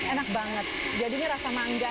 enak banget jadinya rasa mangga